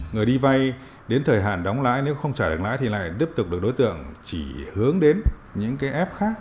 người đi vay đến thời hạn đóng lãi nếu không trả được lãi thì lại tiếp tục được đối tượng chỉ hướng đến những cái app khác